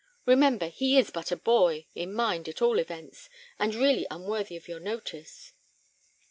Remember, he is but a boy, in mind at all events, and really unworthy of your notice."